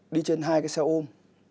đi trên hai cái xe ôm